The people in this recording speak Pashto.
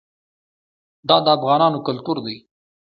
دا د افغانانو کلتور دی.